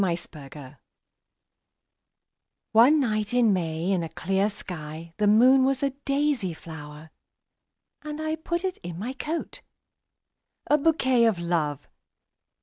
My Flower ONE night in May in a clear skyThe moon was a daisy flower:And! put it in my coat,A bouquet of Love!